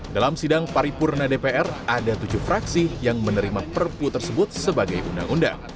dalam sidang paripurna dpr ada tujuh fraksi yang menerima perpu tersebut sebagai undang undang